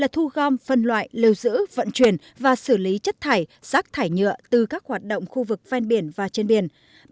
hai thu gom phân loại lưu giữ vận chuyển và xử lý chất thải rác thải nhựa từ các hoạt động khu vực ven biển và trên biển